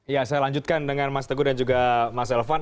ya saya lanjutkan dengan mas teguh dan juga mas elvan